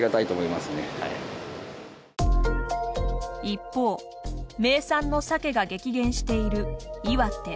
一方名産のサケが激減している岩手。